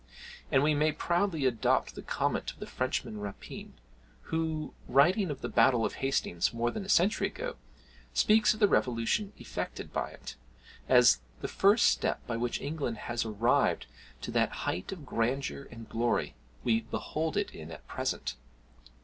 and we may proudly adopt the comment of the Frenchman Rapin, who, writing of the battle of Hastings more than a century ago, speaks of the revolution effected by it, as "the first step by which England has arrived to that height of grandeur and glory we behold it in at present."